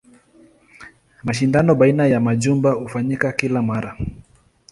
Mashindano baina ya majumba hufanyika kila mara.